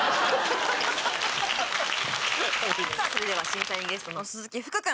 それでは審査員ゲストの鈴木福君。